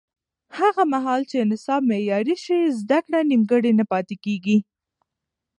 هغه مهال چې نصاب معیاري شي، زده کړه نیمګړې نه پاتې کېږي.